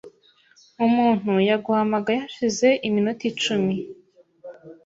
Umuntu yaguhamagaye hashize iminota icumi .